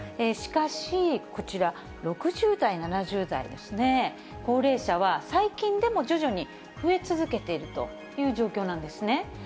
しかし、こちら、６０代、７０代ですね、高齢者は最近でも徐々に増え続けているという状況なんですね。